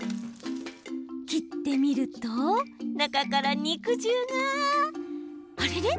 切ってみると、中から肉汁があれれ？